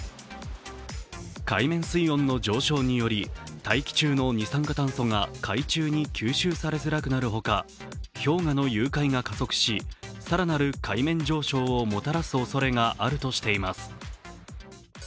海面水温の上昇により、大気中の二酸化炭素が海中に吸収されづらくなるほか氷河の融解が加速し更なる海面上昇をもたらすおそれがあるとしています。